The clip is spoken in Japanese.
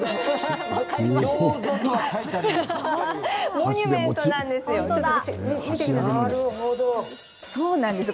モニュメントなんですよ。